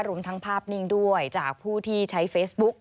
รวมทั้งภาพนิ่งด้วยจากผู้ที่ใช้เฟซบุ๊ก